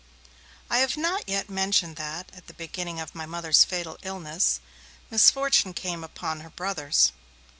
I have not yet mentioned that, at the beginning of my Mother's fatal illness, misfortune came upon her brothers.